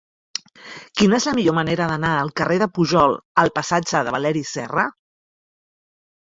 Quina és la millor manera d'anar del carrer de Pujol al passatge de Valeri Serra?